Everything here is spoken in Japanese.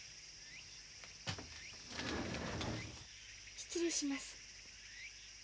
失礼します。